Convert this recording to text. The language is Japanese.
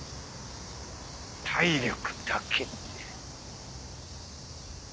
体力だけって。